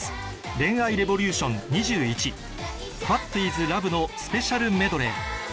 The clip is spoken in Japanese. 『恋愛レボリューション２１』『ＷｈａｔｉｓＬＯＶＥ？』のスペシャルメドレー